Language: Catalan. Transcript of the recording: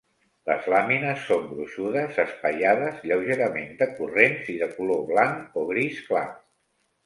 Les làmines són gruixudes, espaiades, lleugerament decurrents i de color blanc o gris clar.